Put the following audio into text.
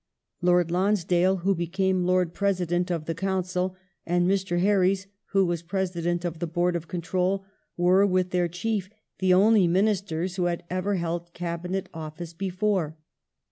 Lord Lonsdale who became Lord President of the Council and Mr. Herries who was President of the Board of Control were with their Chief the only Ministei s who had ever held Cabinet office before.